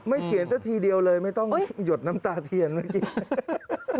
เขียนซะทีเดียวเลยไม่ต้องหยดน้ำตาเทียนเมื่อกี้